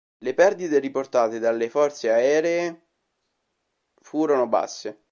Le perdite riportate dalle forze aeree furono basse.